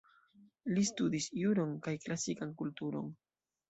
Li studis juron, kaj klasikan kulturon.